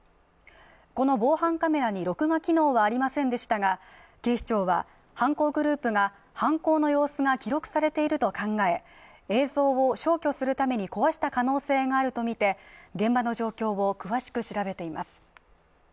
この防犯カメラに録画機能はありませんでしたが警視庁は犯行グループが犯行の様子が記録されていると考え映像を消去するために壊した可能性があると見て現場の状況を詳しく調べています